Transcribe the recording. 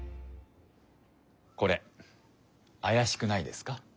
これあやしくないですか？